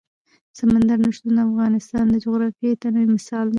سمندر نه شتون د افغانستان د جغرافیوي تنوع مثال دی.